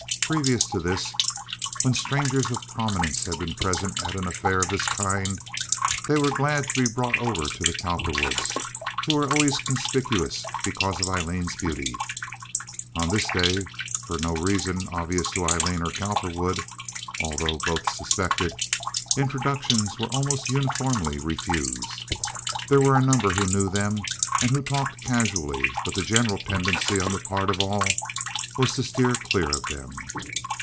Previous to this, when strangers of prominence had been present at an affair of this kind they were glad to be brought over to the Cowperwoods, who were always conspicuous because of Aileen's beauty. On this day, for no reason obvious to Aileen or Cowperwood (although both suspected), introductions were almost uniformly refused. There were a number who knew them, and who talked casually, but the general tendency on the part of all was to steer clear of them.